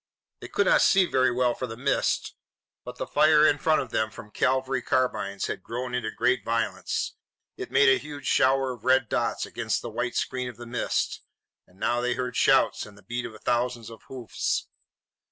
They could not see very well for the mists, but the fire in front of them from cavalry carbines had grown into great violence. It made a huge shower of red dots against the white screen of the mist, and now they heard shouts and the beat of thousands of hoofs.